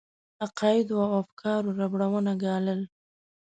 عقایدو او افکارو ربړونه ګالل.